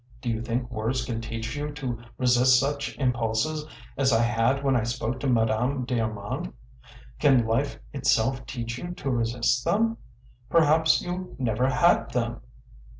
Do you think words can teach you to resist such impulses as I had when I spoke to Madame d'Armand? Can life itself teach you to resist them? Perhaps you never had them?"